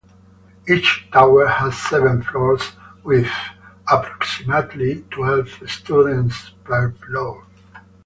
Each tower has seven floors with approximately twelve students per floor.